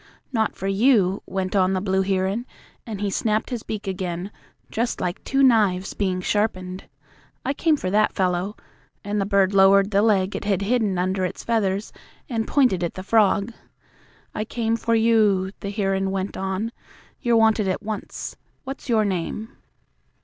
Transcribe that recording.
"Not for you," went on the blue heron, and he snapped his beak again, just like two knives being sharpened. "I came for that fellow," and the bird lowered the leg it had hidden under its feathers and pointed at the frog. "I came for you," the heron went on. "You're wanted at once. What's your name?"